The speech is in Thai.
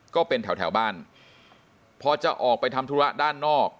ก็เป็นแถวแถวบ้านพอจะออกไปทำธุระด้านนอก